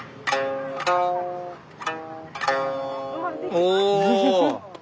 お！